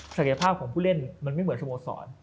ยภาพของผู้เล่นมันไม่เหมือนสโมสร